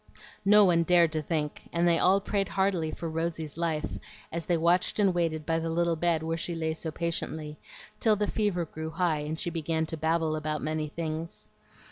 No one dared to think, and all prayed heartily for Rosy's life, as they watched and waited by the little bed where she lay so patiently, till the fever grew high and she began to babble about many things.